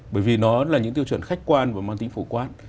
bởi vì nó là những tiêu chuẩn khách quan và mang tính phổ quát